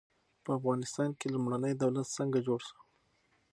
په افغانستان کې لومړنی دولت څنګه جوړ سو؟